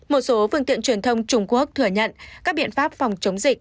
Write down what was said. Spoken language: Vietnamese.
một số phương tiện truyền thông trung quốc thừa nhận các biện pháp phòng chống dịch